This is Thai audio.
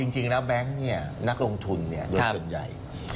จริงแล้วแบงค์นักลงทุนโดยส่วนใหญ่